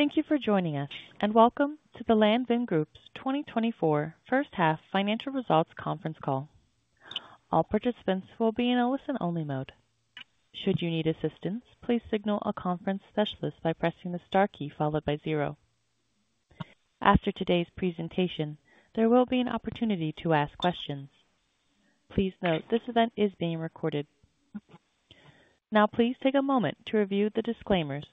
Thank you for joining us, and welcome to the Lanvin Group's 2024 first half financial results conference call. All participants will be in a listen-only mode. Should you need assistance, please signal a conference specialist by pressing the star key followed by zero. After today's presentation, there will be an opportunity to ask questions. Please note, this event is being recorded. Now, please take a moment to review the disclaimers.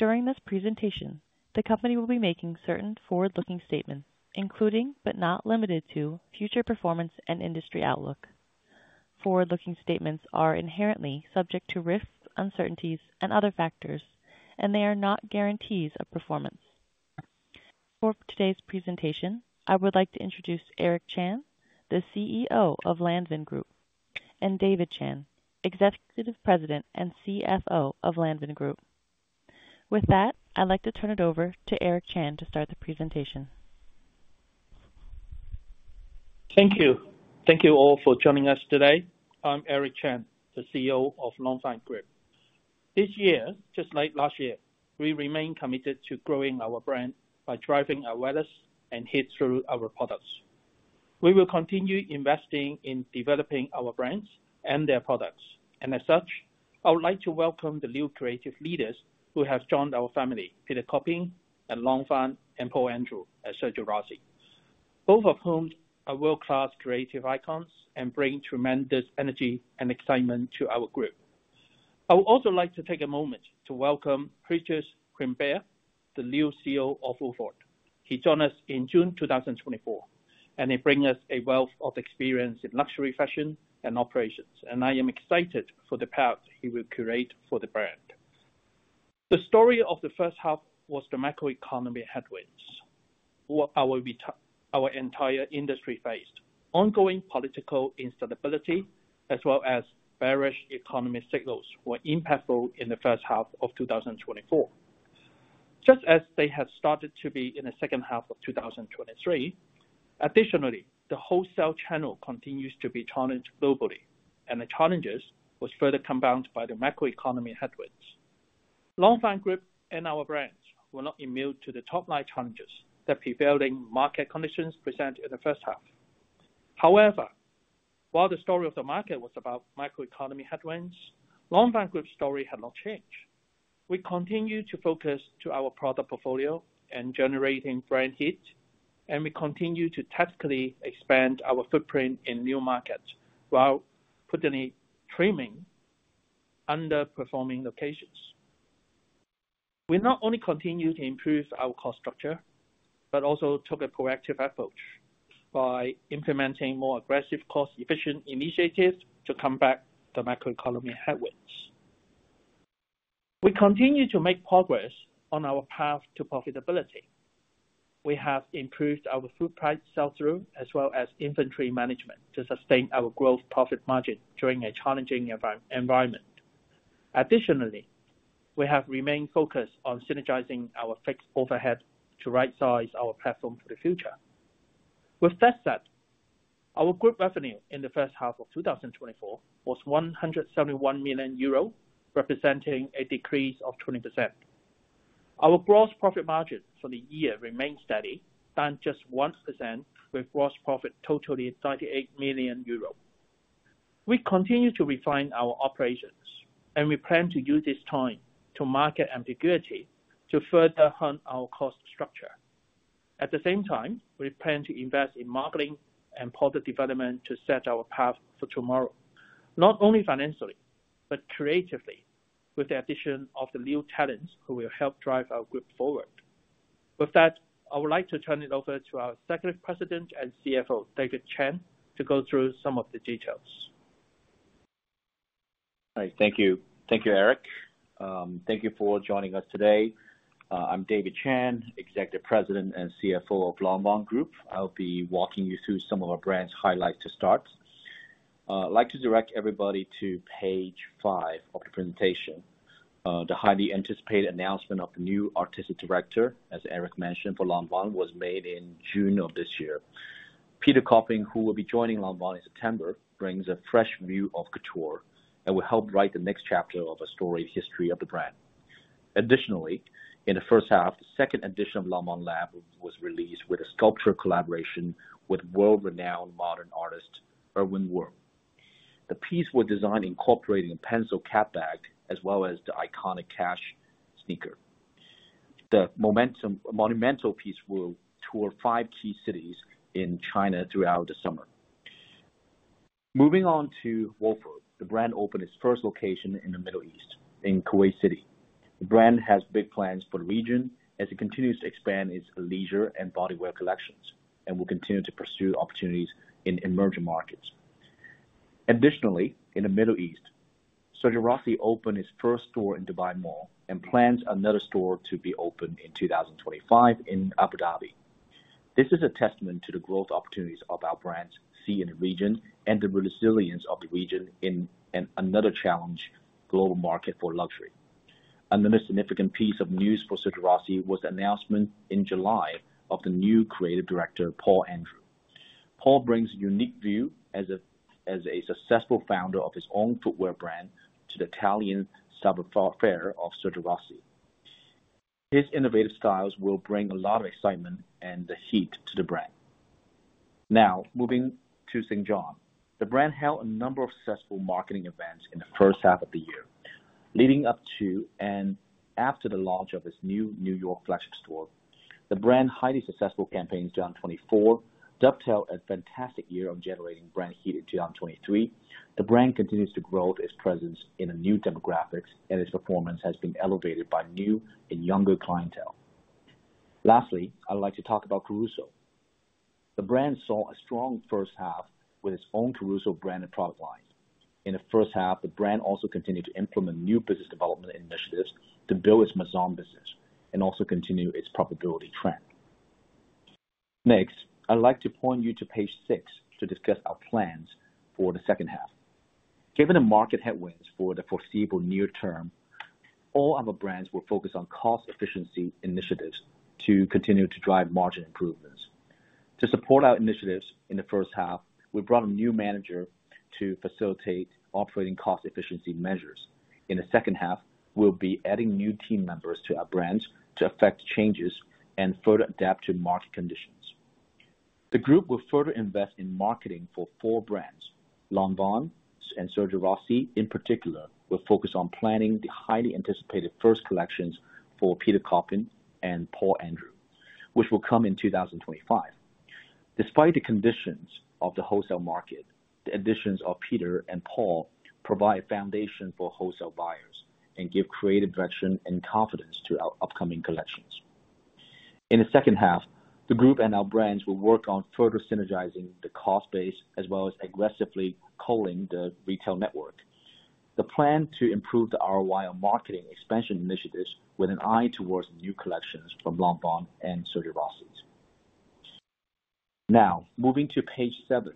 During this presentation, the company will be making certain forward-looking statements, including, but not limited to, future performance and industry outlook. Forward-looking statements are inherently subject to risks, uncertainties, and other factors, and they are not guarantees of performance. For today's presentation, I would like to introduce Eric Chan, the CEO of Lanvin Group, and David Chan, Executive President and CFO of Lanvin Group. With that, I'd like to turn it over to Eric Chan to start the presentation. Thank you. Thank you all for joining us today. I'm Eric Chan, the CEO of Lanvin Group. This year, just like last year, we remain committed to growing our brand by driving awareness and heat through our products. We will continue investing in developing our brands and their products, and as such, I would like to welcome the new creative leaders who have joined our family, Peter Copping at Lanvin and Paul Andrew at Sergio Rossi. Both of whom are world-class creative icons and bring tremendous energy and excitement to our group. I would also like to take a moment to welcome Regis Rimbert, the new CEO of Wolford. He joined us in June 2024, and he brings us a wealth of experience in luxury, fashion, and operations, and I am excited for the path he will create for the brand. The story of the first half was the macroeconomy headwinds, where our retail, our entire industry, faced ongoing political instability as well as bearish economic signals, were impactful in the first half of 2024, just as they had started to be in the second half of 2023. Additionally, the wholesale channel continues to be challenged globally, and the challenges was further compounded by the macroeconomy headwinds. Lanvin Group and our brands were not immune to the top-line challenges that prevailing market conditions presented in the first half. However, while the story of the market was about macroeconomy headwinds, Lanvin Group's story had not changed. We continue to focus to our product portfolio and generating brand heat, and we continue to tactically expand our footprint in new markets while pruning underperforming locations. We not only continued to improve our cost structure, but also took a proactive approach by implementing more aggressive, cost-efficient initiatives to combat the macroeconomic headwinds. We continue to make progress on our path to profitability. We have improved our full price sell-through, as well as inventory management, to sustain our gross profit margin during a challenging environment. Additionally, we have remained focused on synergizing our fixed overhead to rightsize our platform for the future. With that said, our group revenue in the first half of 2024 was 171 million euro, representing a decrease of 20%. Our gross profit margin for the year remained steady, down just 1%, with gross profit totaling 38 million euros. We continue to refine our operations, and we plan to use this time to market ambiguity to further hone our cost structure. At the same time, we plan to invest in marketing and product development to set our path for tomorrow, not only financially, but creatively, with the addition of the new talents who will help drive our group forward. With that, I would like to turn it over to our Executive President and CFO, David Chan, to go through some of the details. All right. Thank you. Thank you, Eric. Thank you for joining us today. I'm David Chan, Executive President and CFO of Lanvin Group. I'll be walking you through some of our brand's highlights to start. I'd like to direct everybody to page five of the presentation. The highly anticipated announcement of the new artistic director, as Eric mentioned, for Lanvin, was made in June of this year. Peter Copping, who will be joining Lanvin in September, brings a fresh view of couture and will help write the next chapter of a storied history of the brand. Additionally, in the first half, the second edition of Lanvin Lab was released with a sculpture collaboration with world-renowned modern artist, Erwin Wurm. The piece was designed incorporating a Pencil Cat Bag as well as the iconic Curb sneaker. The monumental piece will tour five key cities in China throughout the summer. Moving on to Wolford. The brand opened its first location in the Middle East in Kuwait City. The brand has big plans for the region as it continues to expand its leisure and bodywear collections, and will continue to pursue opportunities in emerging markets. Additionally, in the Middle East, Sergio Rossi opened its first store in Dubai Mall and plans another store to be opened in 2025 in Abu Dhabi. This is a testament to the growth opportunities our brands see in the region and the resilience of the region in another challenged global market for luxury. Another significant piece of news for Sergio Rossi was the announcement in July of the new creative director, Paul Andrew. Paul brings a unique view as a, as a successful founder of his own footwear brand to the Italian superb flair of Sergio Rossi. His innovative styles will bring a lot of excitement and the heat to the brand. Now, moving to St. John. The brand held a number of successful marketing events in the first half of the year, leading up to and after the launch of its new New York flagship store. The brand's highly successful campaign, St. John 2024, dovetailed a fantastic year of generating brand heat in St. John 2023. The brand continues to grow its presence in the new demographics, and its performance has been elevated by new and younger clientele. Lastly, I'd like to talk about Caruso. The brand saw a strong first half with its own Caruso branded product line. In the first half, the brand also continued to implement new business development initiatives to build its maison business and also continue its profitability trend. Next, I'd like to point you to page six to discuss our plans for the second half. Given the market headwinds for the foreseeable near term, all our brands will focus on cost efficiency initiatives to continue to drive margin improvements. To support our initiatives in the first half, we brought a new manager to facilitate operating cost efficiency measures. In the second half, we'll be adding new team members to our brands to affect changes and further adapt to market conditions. The group will further invest in marketing for four brands. Lanvin and Sergio Rossi, in particular, will focus on planning the highly anticipated first collections for Peter Copping and Paul Andrew, which will come in 2025. Despite the conditions of the wholesale market, the additions of Peter and Paul provide a foundation for wholesale buyers and give creative direction and confidence to our upcoming collections. In the second half, the group and our brands will work on further synergizing the cost base, as well as aggressively culling the retail network. The plan to improve the ROI on marketing expansion initiatives with an eye towards new collections from Lanvin and Sergio Rossi. Now, moving to page seven,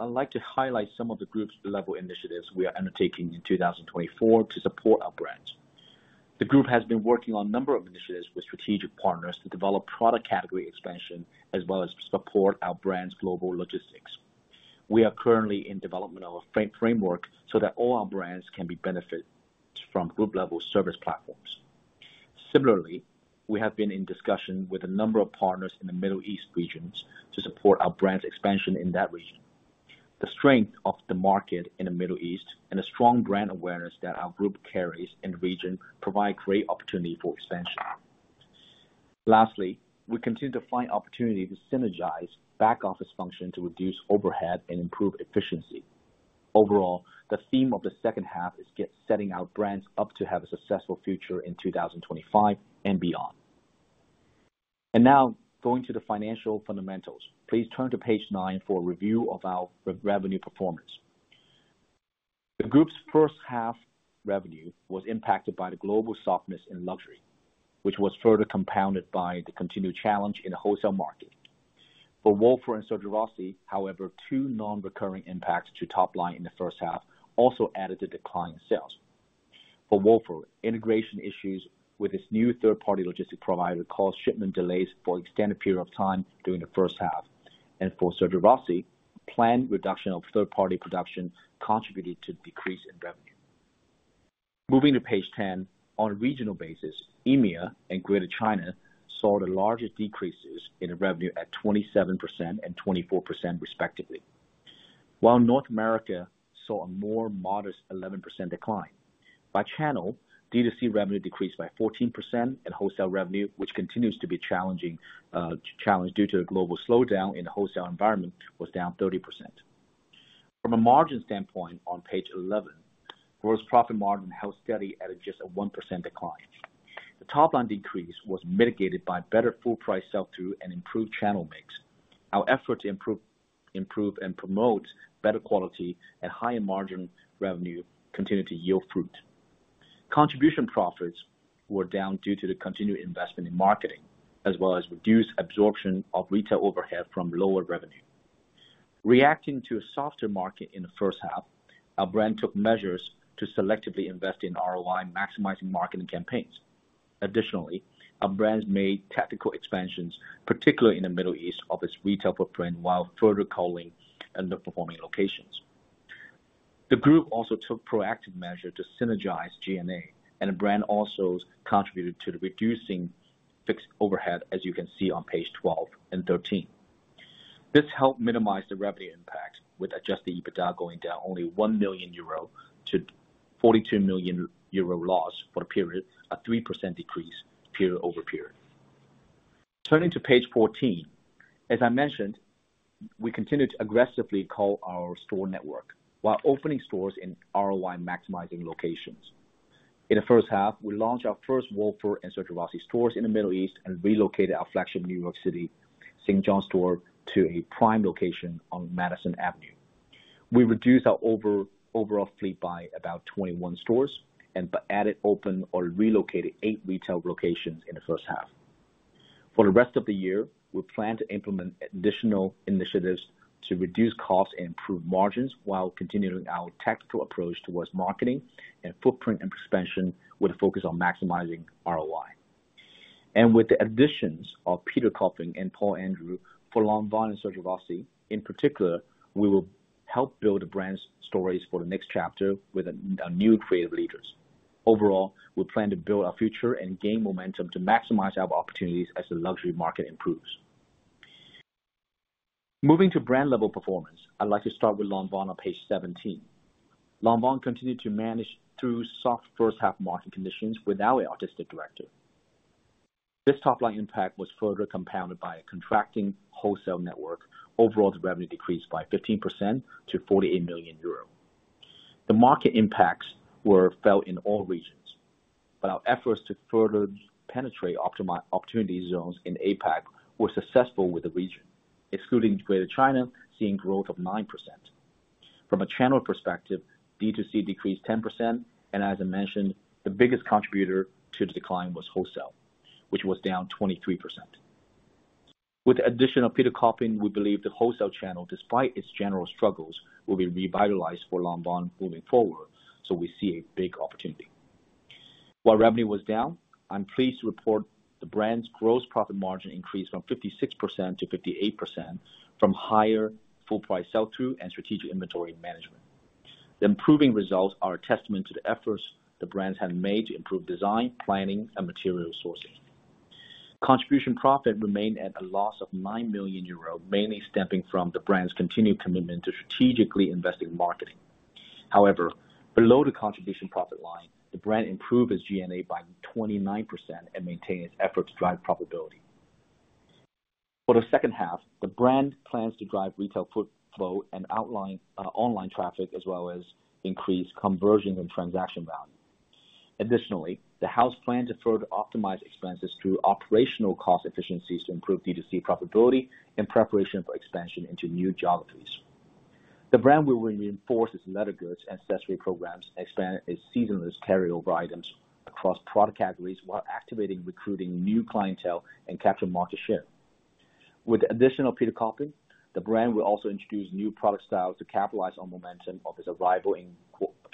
I'd like to highlight some of the group-level initiatives we are undertaking in 2024 to support our brands. The group has been working on a number of initiatives with strategic partners to develop product category expansion, as well as support our brands' global logistics. We are currently in development of a framework, so that all our brands can benefit from group-level service platforms. Similarly, we have been in discussion with a number of partners in the Middle East regions to support our brands expansion in that region. The strength of the market in the Middle East and a strong brand awareness that our group carries in the region provide great opportunity for expansion. Lastly, we continue to find opportunity to synergize back office function to reduce overhead and improve efficiency. Overall, the theme of the second half is setting our brands up to have a successful future in 2025 and beyond. And now, going to the financial fundamentals. Please turn to page nine for a review of our revenue performance. The group's first half revenue was impacted by the global softness in luxury, which was further compounded by the continued challenge in the wholesale market. For Wolford and Sergio Rossi, however, two non-recurring impacts to top line in the first half also added to declining sales. For Wolford, integration issues with its new third-party logistics provider caused shipment delays for an extended period of time during the first half. And for Sergio Rossi, planned reduction of third-party production contributed to the decrease in revenue. Moving to page 10. On a regional basis, EMEA and Greater China saw the largest decreases in the revenue at 27% and 24%, respectively, while North America saw a more modest 11% decline. By channel, D2C revenue decreased by 14%, and wholesale revenue, which continues to be challenging, challenged due to the global slowdown in the wholesale environment, was down 30%. From a margin standpoint, on page 11, gross profit margin held steady at just a 1% decline. The top-line decrease was mitigated by better full price sell-through and improved channel mix. Our effort to improve and promote better quality at higher margin revenue continued to yield fruit. Contribution profits were down due to the continued investment in marketing, as well as reduced absorption of retail overhead from lower revenue. Reacting to a softer market in the first half, our brand took measures to selectively invest in ROI, maximizing marketing campaigns. Additionally, our brands made tactical expansions, particularly in the Middle East, of its retail footprint, while further culling underperforming locations. The group also took proactive measures to synergize G&A, and the brand also contributed to the reducing fixed overhead, as you can see on page 12 and 13. This helped minimize the revenue impact, with adjusted EBITDA going down only 1 million euro to a 42 million euro loss for the period, a 3% decrease period-over-period. Turning to page 14. As I mentioned, we continued to aggressively cull our store network while opening stores in ROI maximizing locations. In the first half, we launched our first Wolford and Sergio Rossi stores in the Middle East and relocated our flagship New York City St. John store to a prime location on Madison Avenue. We reduced our overall fleet by about 21 stores and added, opened, or relocated 8 retail locations in the first half. For the rest of the year, we plan to implement additional initiatives to reduce costs and improve margins, while continuing our tactical approach towards marketing and footprint expansion, with a focus on maximizing ROI... And with the additions of Peter Copping and Paul Andrew for Lanvin and Sergio Rossi, in particular, we will help build the brand's stories for the next chapter with a, a new creative leaders. Overall, we plan to build our future and gain momentum to maximize our opportunities as the luxury market improves. Moving to brand level performance, I'd like to start with Lanvin on page 17. Lanvin continued to manage through soft first half market conditions without an artistic director. This top line impact was further compounded by a contracting wholesale network. Overall, the revenue decreased by 15% to 48 million euro. The market impacts were felt in all regions, but our efforts to further penetrate optimize opportunity zones in APAC were successful with the region, excluding Greater China, seeing growth of 9%. From a channel perspective, D2C decreased 10%, and as I mentioned, the biggest contributor to the decline was wholesale, which was down 23%. With the addition of Peter Copping, we believe the wholesale channel, despite its general struggles, will be revitalized for Lanvin moving forward, so we see a big opportunity. While revenue was down, I'm pleased to report the brand's gross profit margin increased from 56% to 58% from higher full price sell-through and strategic inventory management. The improving results are a testament to the efforts the brands have made to improve design, planning, and material sourcing. Contribution profit remained at a loss of 9 million euro, mainly stemming from the brand's continued commitment to strategically investing in marketing. However, below the contribution profit line, the brand improved its G&A by 29% and maintained its efforts to drive profitability. For the second half, the brand plans to drive retail foot flow and outline online traffic, as well as increase conversion and transaction value. Additionally, the house plans to further optimize expenses through operational cost efficiencies to improve D2C profitability and preparation for expansion into new geographies. The brand will reinforce its leather goods and accessory programs, expand its seasonless carryover items across product categories while activating, recruiting new clientele and capture market share. With the addition of Peter Copping, the brand will also introduce new product styles to capitalize on momentum of his arrival in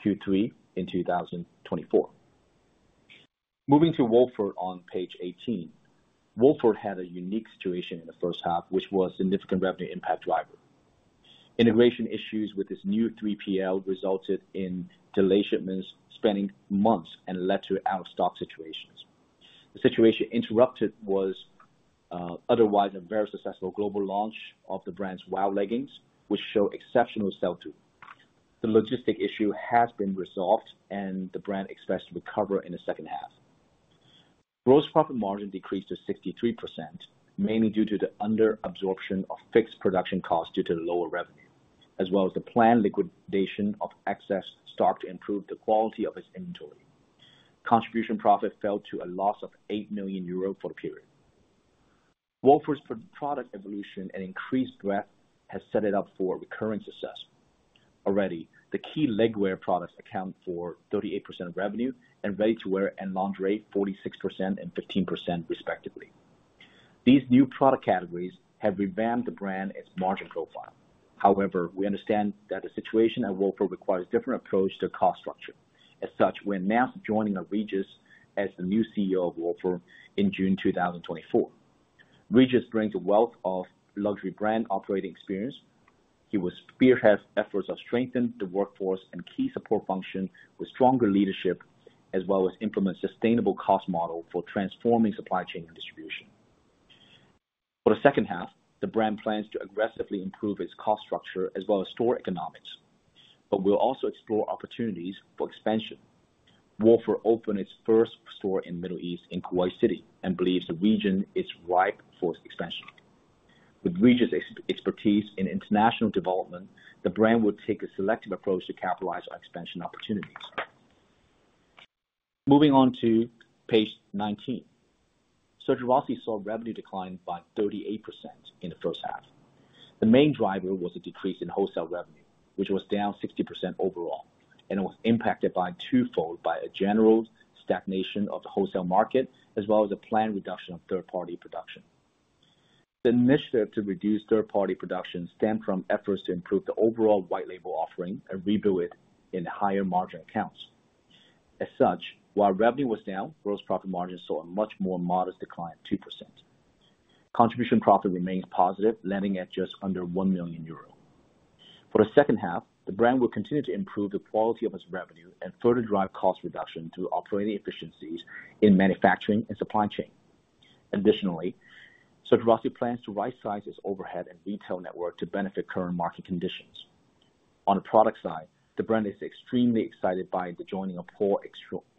Q3, in 2024. Moving to Wolford on page 18. Wolford had a unique situation in the first half, which was a significant revenue impact driver. Integration issues with this new 3PL resulted in delayed shipments, spending months, and led to out-of-stock situations. The situation interrupted was, otherwise a very successful global launch of the brand's The W leggings, which show exceptional sell-through. The logistic issue has been resolved, and the brand expects to recover in the second half. Gross profit margin decreased to 63%, mainly due to the under absorption of fixed production costs due to the lower revenue, as well as the planned liquidation of excess stock to improve the quality of its inventory. Contribution profit fell to a loss of 8 million euro for the period. Wolford's product evolution and increased growth has set it up for recurring success. Already, the key legwear products account for 38% of revenue, and ready-to-wear and lingerie, 46% and 15%, respectively. These new product categories have revamped the brand's margin profile. However, we understand that the situation at Wolford requires a different approach to cost structure. As such, we're now joining our Regis as the new CEO of Wolford in June 2024. Regis brings a wealth of luxury brand operating experience. He will spearhead efforts to strengthen the workforce and key support function with stronger leadership, as well as implement sustainable cost model for transforming supply chain and distribution. For the second half, the brand plans to aggressively improve its cost structure as well as store economics, but we'll also explore opportunities for expansion. Wolford opened its first store in Middle East, in Kuwait City, and believes the region is ripe for expansion. With Regis' expertise in international development, the brand will take a selective approach to capitalize on expansion opportunities. Moving on to page 19. Sergio Rossi saw revenue decline by 38% in the first half. The main driver was a decrease in wholesale revenue, which was down 60% overall, and it was impacted twofold by a general stagnation of the wholesale market, as well as a planned reduction of third-party production. The initiative to reduce third-party production stemmed from efforts to improve the overall white label offering and rebuild it in higher margin accounts. As such, while revenue was down, gross profit margins saw a much more modest decline of 2%. Contribution profit remains positive, landing at just under 1 million euro. For the second half, the brand will continue to improve the quality of its revenue and further drive cost reduction through operating efficiencies in manufacturing and supply chain. Additionally, Sergio Rossi plans to rightsize its overhead and retail network to benefit current market conditions. On the product side, the brand is extremely excited by the joining of Paul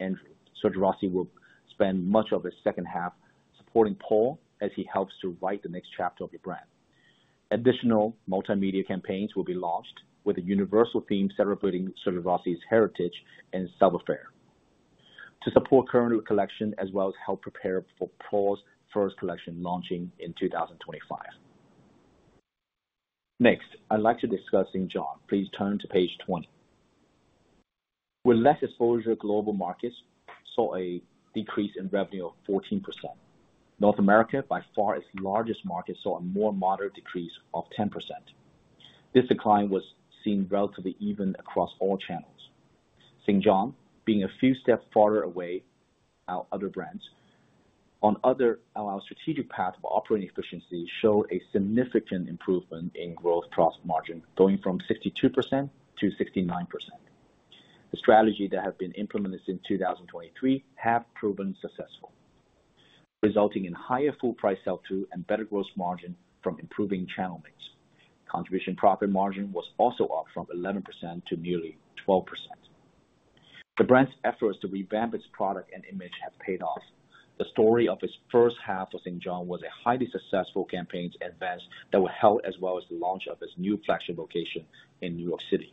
Andrew. Sergio Rossi will spend much of his second half supporting Paul as he helps to write the next chapter of the brand. Additional multimedia campaigns will be launched, with a universal theme celebrating Sergio Rossi's heritage and savoir-faire. To support current collection, as well as help prepare for Paul's first collection, launching in 2025. Next, I'd like to discuss St. John. Please turn to page 20. With less exposure, global markets saw a decrease in revenue of 14%. North America, by far its largest market, saw a more moderate decrease of 10%. This decline was seen relatively even across all channels.... St. John, being a few steps farther away, our other brands. On our strategic path of operating efficiency, show a significant improvement in gross profit margin, going from 62% to 69%. The strategy that have been implemented since 2023 have proven successful, resulting in higher full price sell-through and better gross margin from improving channel mix. Contribution profit margin was also up from 11% to nearly 12%. The brand's efforts to revamp its product and image have paid off. The story of its first half of St. John was a highly successful campaigns and events that were held, as well as the launch of its new flagship location in New York City.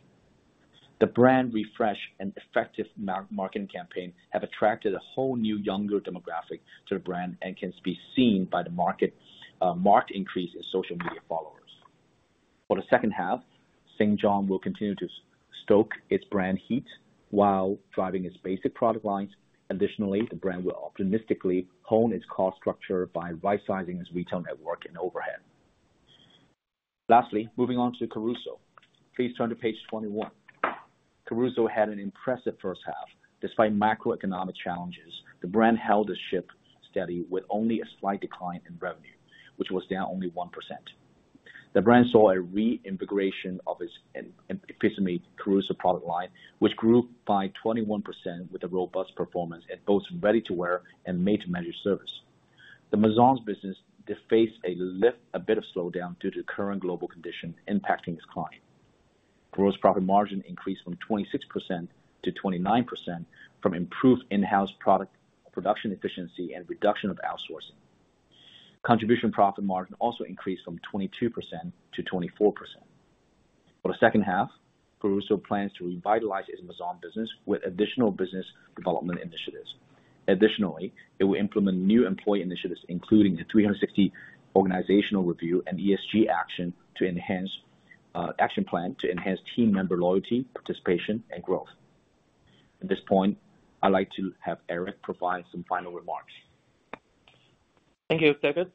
The brand refresh and effective marketing campaign have attracted a whole new younger demographic to the brand and can be seen by the marked increase in social media followers. For the second half, St. John will continue to stoke its brand heat while driving its basic product lines. Additionally, the brand will optimistically hone its cost structure by right-sizing its retail network and overhead. Lastly, moving on to Caruso. Please turn to page 21. Caruso had an impressive first half. Despite macroeconomic challenges, the brand held the ship steady with only a slight decline in revenue, which was down only 1%. The brand saw a reintegration of its eponymous Caruso product line, which grew by 21% with a robust performance at both ready-to-wear and made-to-measure service. The Amazon business faced a slight slowdown due to current global conditions impacting its clients. Gross profit margin increased from 26% to 29% from improved in-house product production efficiency and reduction of outsourcing. Contribution profit margin also increased from 22% to 24%. For the second half, Caruso plans to revitalize its Amazon business with additional business development initiatives. Additionally, it will implement new employee initiatives, including the three hundred and sixty organizational review and ESG action plan to enhance team member loyalty, participation, and growth. At this point, I'd like to have Eric provide some final remarks. Thank you, David.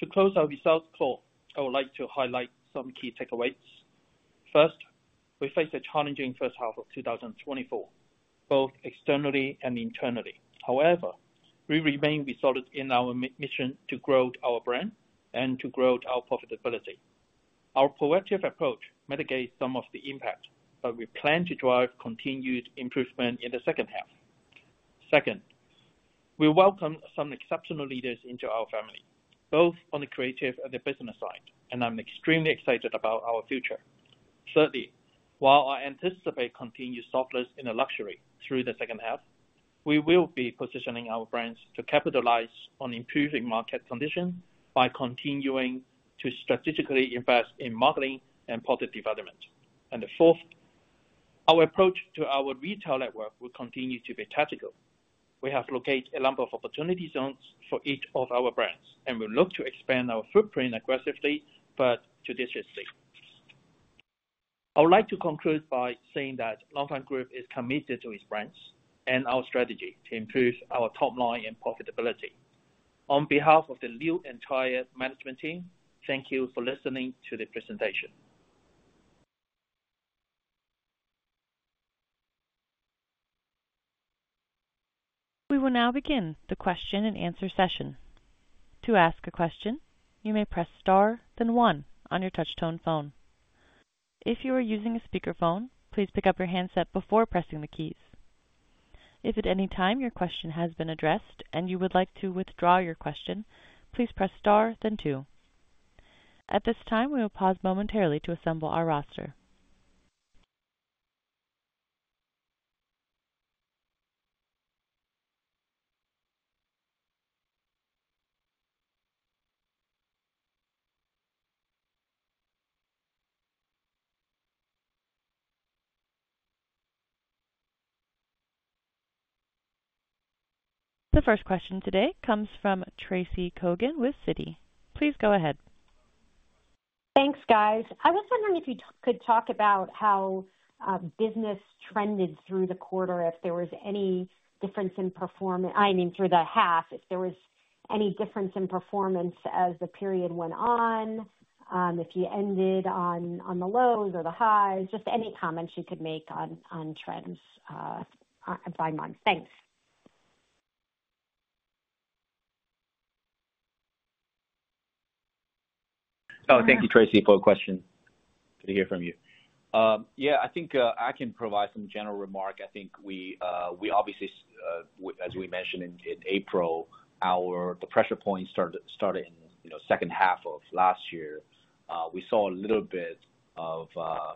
To close our results call, I would like to highlight some key takeaways. First, we face a challenging first half of 2024, both externally and internally. However, we remain resolved in our mission to grow our brand and to grow our profitability. Our proactive approach mitigates some of the impact, but we plan to drive continued improvement in the second half. Second, we welcome some exceptional leaders into our family, both on the creative and the business side, and I'm extremely excited about our future. Thirdly, while I anticipate continued softness in the luxury through the second half, we will be positioning our brands to capitalize on improving market conditions by continuing to strategically invest in marketing and product development. Fourth, our approach to our retail network will continue to be tactical. We have located a number of opportunity zones for each of our brands, and we look to expand our footprint aggressively but judiciously. I would like to conclude by saying that Lanvin Group is committed to its brands and our strategy to improve our top line and profitability. On behalf of the Lanvin's entire management team, thank you for listening to the presentation. We will now begin the question and answer session. To ask a question, you may press star, then one on your touch tone phone. If you are using a speakerphone, please pick up your handset before pressing the keys. If at any time your question has been addressed and you would like to withdraw your question, please press star, then two. At this time, we will pause momentarily to assemble our roster. The first question today comes from Tracy Kogan with Citi. Please go ahead. Thanks, guys. I was wondering if you could talk about how business trended through the quarter, if there was any difference in performance I mean, through the half, if there was any difference in performance as the period went on, if you ended on the lows or the highs, just any comments you could make on trends by month. Thanks. Oh, thank you, Tracy, for your question. Good to hear from you. Yeah, I think I can provide some general remark. I think we obviously, as we mentioned in April, our pressure point started in, you know, second half of last year. We saw a little bit of,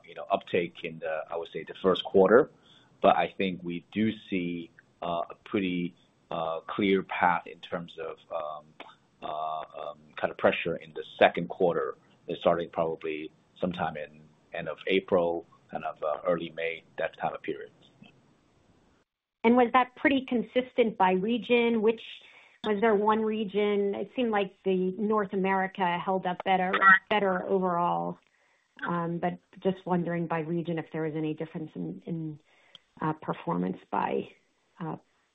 you know, uptake in the, I would say, the first quarter, but I think we do see a pretty clear path in terms of kind of pressure in the second quarter, starting probably sometime in end of April, kind of early May, that type of period. Was that pretty consistent by region? Which... Was there one region? It seemed like the North America held up better, better overall, but just wondering by region if there was any difference in performance by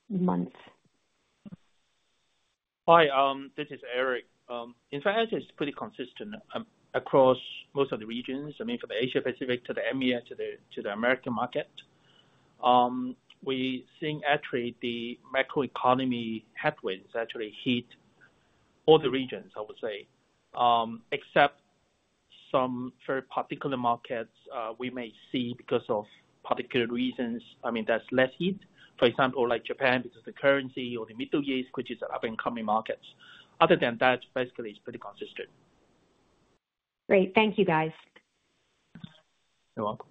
months. Hi, this is Eric. In fact, it's pretty consistent across most of the regions. I mean, from the Asia Pacific to the EMEA, to the American market. We seeing actually the macroeconomic headwinds actually hit all the regions, I would say, except some very particular markets, we may see because of particular reasons. I mean, there's less hit. For example, like Japan, because of the currency or the Middle East, which is up-and-coming markets. Other than that, basically, it's pretty consistent. Great. Thank you, guys. You're welcome.